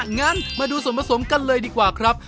งั้นมาดูส่วนผสมกันเลยดีกว่าครับ